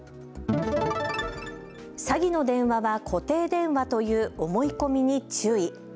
詐欺の電話は固定電話という思い込みに注意。